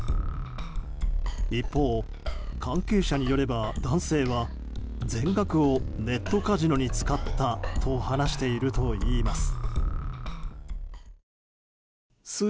一方、関係者によれば男性は全額をネットカジノに使ったと話しているといいます。